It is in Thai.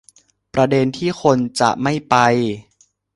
ประเด็นที่คนจะไม่ไป